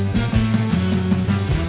baik lu siapa